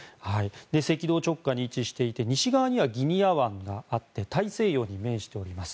赤道直下に位置していて西側にギニア湾があって大西洋に面しています。